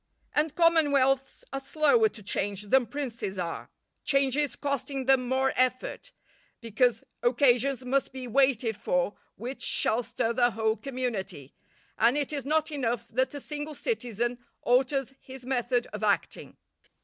And commonwealths are slower to change than princes are, changes costing them more effort; because occasions must be waited for which shall stir the whole community, and it is not enough that a single citizen alters his method of acting.